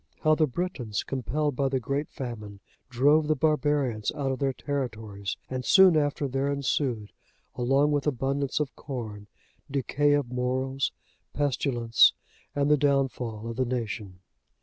How the Britons, compelled by the great famine, drove the barbarians out of their territories; and soon after there ensued, along with abundance of corn, decay of morals, pestilence, and the downfall of the nation.